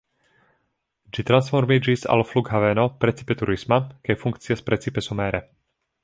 Ĝi transformiĝis al flughaveno precipe turisma kaj funkcias precipe somere.